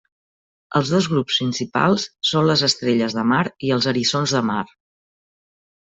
Els dos grups principals són les estrelles de mar i els eriçons de mar.